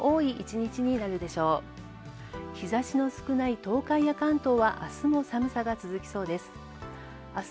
日差しのない東海・関東は明日も寒さが続きそうです。